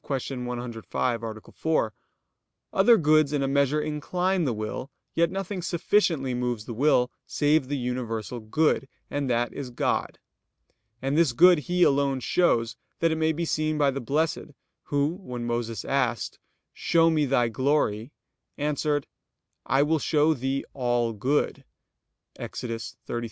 105, A. 4), other goods in a measure incline the will, yet nothing sufficiently moves the will save the universal good, and that is God. And this good He alone shows, that it may be seen by the blessed, Who, when Moses asked: "Show me Thy glory," answered: "I will show thee all good" (Ex. 33:18, 19).